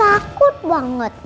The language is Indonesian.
aku takut banget